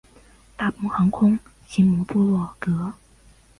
大鹏航空奇摩部落格